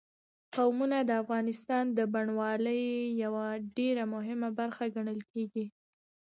قومونه د افغانستان د بڼوالۍ یوه ډېره مهمه برخه ګڼل کېږي.